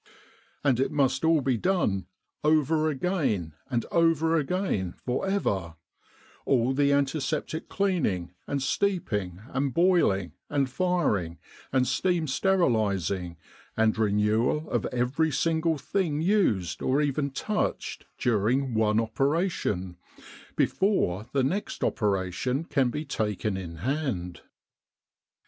And it must all be done ' over again and over again for ever, all the antiseptic cleaning, and steeping, and boiling, and firing, and steam sterilis ing, and renewal of every single thing used or even touched during one operation", before the next opera tion can be taken in hand.